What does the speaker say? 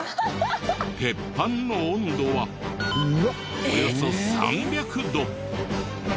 鉄板の温度はおよそ３００度。